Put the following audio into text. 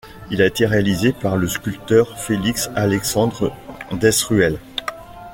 Il a été réalisé par le sculpteur Félix-Alexandre Desruelles.